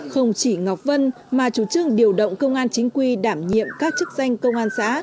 không chỉ ngọc vân mà chủ trương điều động công an chính quy đảm nhiệm các chức danh công an xã